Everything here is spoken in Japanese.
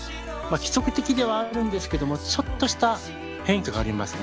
規則的ではあるんですけどもちょっとした変化がありますね。